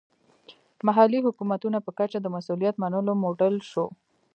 محلي حکومتونو په کچه د مسوولیت منلو موډل شو.